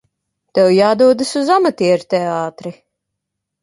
Tev jādodas uz amatierteātri!